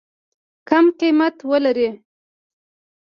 کم قیمت ولري.